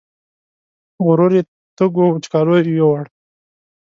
غرور یې تږو وچکالیو یووړ